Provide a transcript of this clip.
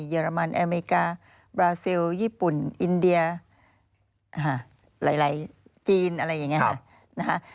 เรมันอเมริกาบราซิลญี่ปุ่นอินเดียหลายจีนอะไรอย่างนี้ค่ะ